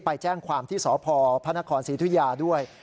ไปแจ้งความที่สพพศศิษยาด้วย